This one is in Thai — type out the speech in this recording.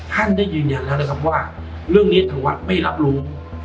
ท่านได้ยืนยันแล้วนะครับว่าเรื่องนี้ทางวัดไม่รับรู้